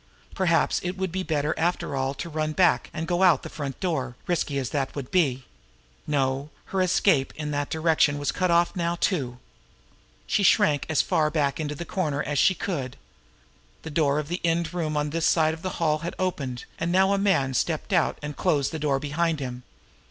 Perhaps it would be better after all to run back and go out by the front door, risky as that would be. No, her escape in that direction now was cut off, too! She shrank as far back into the corner as she could. The door of the end room on this side of the hall had opened, and now a man stepped out and closed the door behind him.